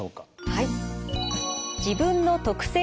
はい。